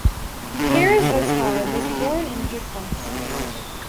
Haris Azhar was born in Jakarta.